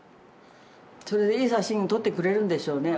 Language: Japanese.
それでいい写真撮ってくれるんでしょうね？